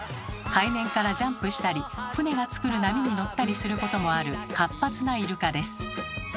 海面からジャンプしたり船がつくる波に乗ったりすることもある活発なイルカです。